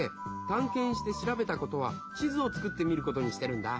たんけんしてしらべたことは地図を作ってみることにしてるんだ。